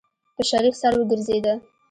په شريف سر وګرځېده.